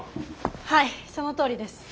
はいそのとおりです。